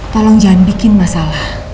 tolong jangan bikin masalah